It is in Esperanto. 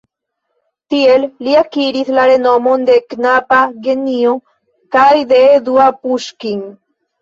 Tiel li akiris la renomon de knaba genio kaj de "dua Puŝkin".